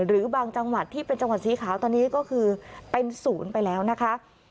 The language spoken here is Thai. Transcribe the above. หรือบางจังหวัดที่เป็นจังหวัดสีขาวตอนนี้ก็คือเป็นศูนย์ไปแล้วนะคะ